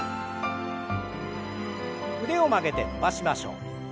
腕を曲げて伸ばしましょう。